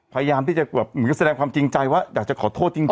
พยายามสแดดความจริงใจว่าอยากจะขอโทษจริง